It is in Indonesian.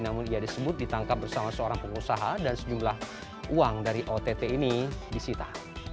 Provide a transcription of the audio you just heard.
namun ia disebut ditangkap bersama seorang pengusaha dan sejumlah uang dari ott ini disita